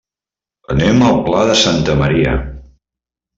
Anem al Pla de Santa Maria.